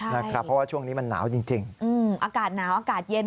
เพราะว่าช่วงนี้มันหนาวจริงอากาศหนาวอากาศเย็น